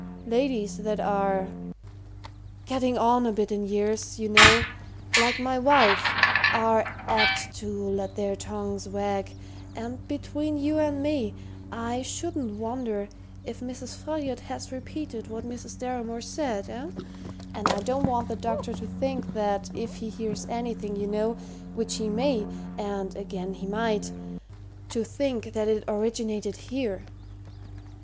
"Ladies that are getting on a bit in years, you know like my wife, are apt to let their tongues wag, and between you and me, I shouldn't wonder if Mrs. Folliot has repeated what Mrs. Deramore said eh? And I don't want the doctor to think that if he hears anything, you know, which he may, and, again, he might to think that it originated here.